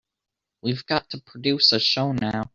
We've got to produce a show now.